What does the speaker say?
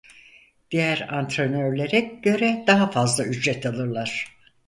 Diğer antrenörlere göre daha fazla ücret alırlar.